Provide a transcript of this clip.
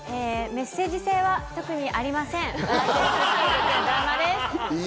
メッセージ性は特にありません。